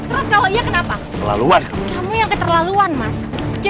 lo berani lo pengaruh pengaruh ya